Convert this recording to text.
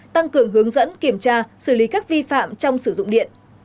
tăng cường hướng dẫn kiểm tra xử lý các vi phạm trong sử dụng điện